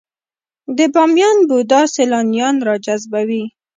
د بامیان بودا سیلانیان راجذبوي؟